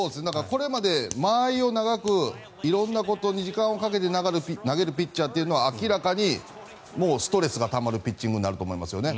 これまで、間合いを長く色んなことに時間をかけて投げるピッチャーというのは明らかにストレスがたまるピッチングになると思いますよね。